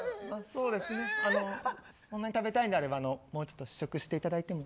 そうですね、そんなに食べたいのであればもう１つ試食していただいても。